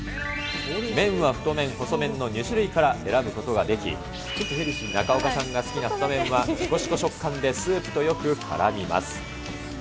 麺は太麺、細麺の２種類から選ぶことができ、中岡さんが好きな太麺はしこしこ食感でスープとよくからみます。